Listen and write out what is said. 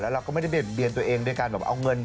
แล้วเราก็ไม่ได้เบียนตัวเอง